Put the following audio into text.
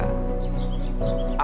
akan selamatkan saya